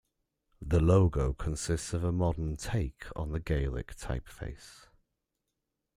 The logo consists of a modern take on the Gaelic type face.